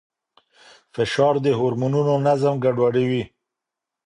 فشار د هورمونونو نظم ګډوډوي.